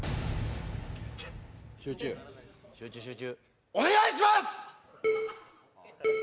・集中集中集中お願いします！